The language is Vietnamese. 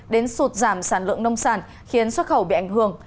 đến sụt giảm sản lượng nông sản khiến xuất khẩu bị ảnh hưởng